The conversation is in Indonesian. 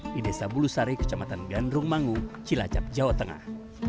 di desa bulusari kecamatan gandrung mangu cilacap jawa tengah